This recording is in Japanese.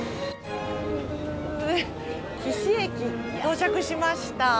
貴志駅到着しました。